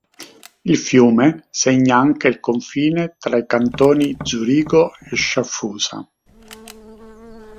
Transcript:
Il fiume segna anche il confine tra i cantoni Zurigo e Sciaffusa.